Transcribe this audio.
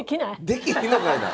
できへんのかいな！